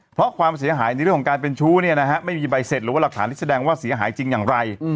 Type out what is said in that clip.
เพราะความเสียหายในเรื่องของการเป็นชู้ไม่มีใบเสร็จหรือว่าหลักฐานที่แสดงว่าเสียหายจริงอย่างไร